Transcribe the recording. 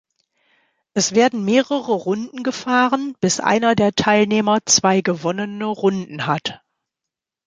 Es werden mehrere Runden gefahren bis einer der Teilnehmer zwei gewonnene Runden hat.